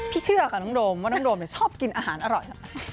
เชื่อค่ะน้องโดมว่าน้องโดมชอบกินอาหารอร่อย